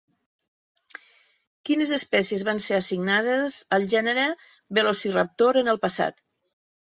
Quines espècies van ser assignades al gènere Velociraptor en el passat?